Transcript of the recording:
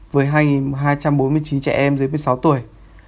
với hai trăm bốn mươi chín trẻ em dưới một mươi sáu tuổi